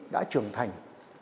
đã trưởng thành